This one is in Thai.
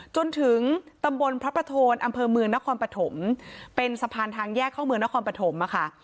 จนถึงตำบลพระประโทนอำเภอเมืองนครปฐมเป็นสะพานทางแยกเข้าเมืองนครปฐมค่ะ